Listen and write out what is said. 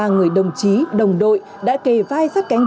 ba người đồng chí đồng đội đã kề vai sát cánh